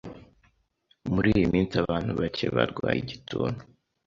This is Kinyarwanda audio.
Muri iyi minsi abantu bake barwaye igituntu.